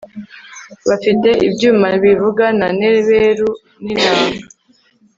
bafite ibyuma bivuga na neberu n'inanga